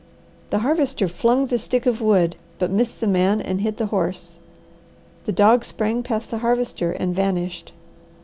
The Harvester flung the stick of wood, but missed the man and hit the horse. The dog sprang past the Harvester and vanished.